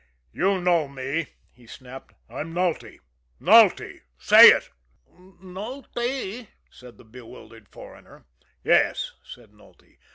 "You know me!" he snapped. "I'm Nulty Nulty. Say it!" "Nultee," said the bewildered foreigner. "Yes," said Nulty.